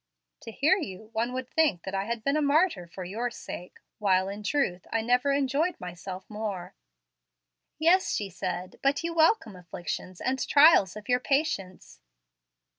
"To hear you, one would think that I had been a martyr for your sake, while, in truth, I never enjoyed myself more." "Yes," said she; "but you welcome afflictions and trials of your patience."